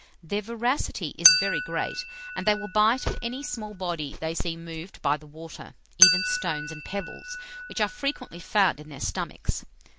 Their voracity is very great, and they will bite at any small body they see moved by the water, even stones and pebbles, which are frequently found in their stomachs.